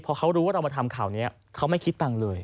พอเขารู้ว่าเรามาทำข่าวนี้เขาไม่คิดตังค์เลย